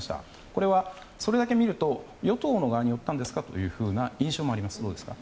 これはそれだけを見ると与党の側に寄ったんですか？という印象もありますがいかがでしょうか。